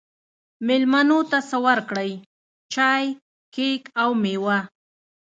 میلمنو ته څه ورکوئ؟ چای، کیک او میوه